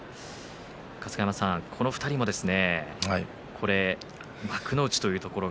春日山さん、この２人も幕内というところが。